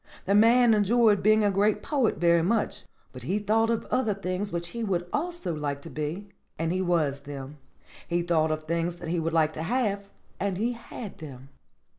"The man enjoyed being a great poet very much, but he thought of other things which he would also like to be, and he was them. He thought of things that he would like to have, and he had them.